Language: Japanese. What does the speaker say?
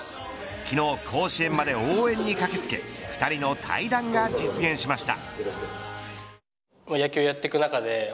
昨日、甲子園まで応援に駆けつけ２人の対談が実現しました。